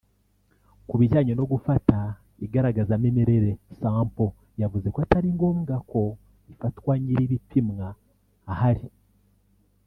Ku bijyanye no gufata igaragazamimerere (sample) yavuze ko atari ngombwa ko ifatwa nyir’ibipimwa ahari